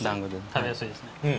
食べやすいですね。